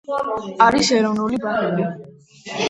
არის ეროვნული ბაღები